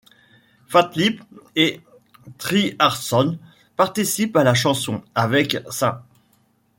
Fatlip et Tre Hardson participent à la chanson ' avec St.